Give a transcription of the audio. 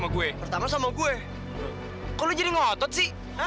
aku bikinin sekarang mau ya